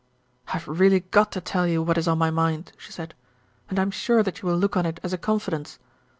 "I've really got to tell you what is on my mind," she said. "And I am sure that you will look on it as a confidence.